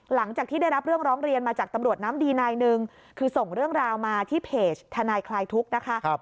หลังจากที่ได้รับเรื่องร้องเรียนมาจากตำรวจน้ำดีนายหนึ่งคือส่งเรื่องราวมาที่เพจทนายคลายทุกข์นะคะ